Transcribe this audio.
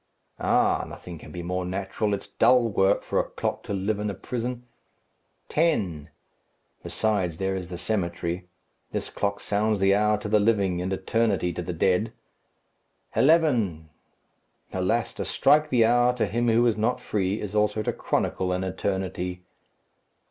Ah! nothing can be more natural; it's dull work for a clock to live in a prison. Ten! Besides, there is the cemetery. This clock sounds the hour to the living, and eternity to the dead. Eleven! Alas! to strike the hour to him who is not free is also to chronicle an eternity.